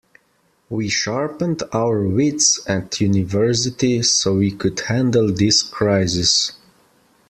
We sharpened our wits at university so we could handle this crisis.